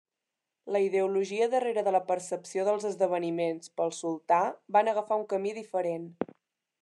La ideologia darrere de la percepció dels esdeveniments pel sultà van agafar un camí diferent.